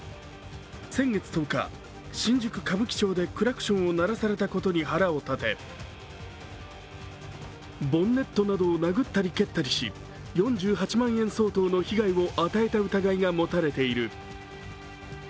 先月１０日、新宿・歌舞伎町でクラクションを鳴らされたことに腹を立て、ボンネットなどを殴ったり蹴ったりし４８万円相当の被害を与えた疑いが持たれている。